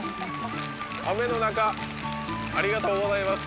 雨の中ありがとうございます